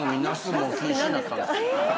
もう禁止になったんです。